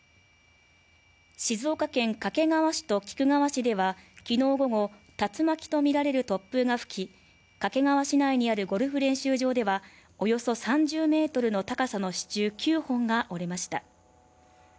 静岡県掛川市と菊川市ではきのう午後竜巻とみられる突風が吹き掛川市内にあるゴルフ練習場では、およそ３０ｍの高さの支柱９本が折れました。